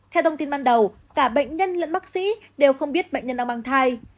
theo thông tin ban đầu cả bệnh nhân lẫn bác sĩ đều không biết bệnh nhân đang mang thai